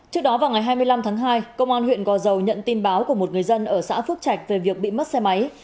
trước đó vào ngày hai mươi năm tháng hai công an huyện gò dầu nhận tin báo của một người dân ở xã phước trạch về việc bị mất xe máy